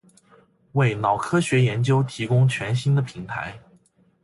为脑科学研究提供全新的平台